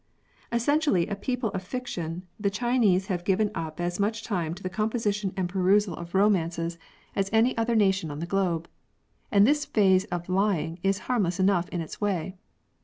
Essentially a people of fiction, the Chinese have given up as much time to the composition and perusal 124 LYING. of romances as any other nation on the globe ; and this phase of lying is harmless enough in its way.